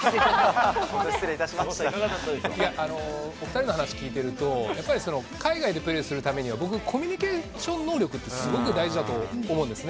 お２人の話聞いてると、やっぱり海外でプレーするためには、僕、コミュニケーション能力って、すごく大事だと思うんですね。